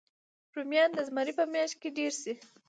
رومیان د زمري په میاشت کې ډېر شي